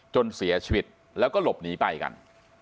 จนเสียชีวิตแล้วก็หลบหนีไปกัน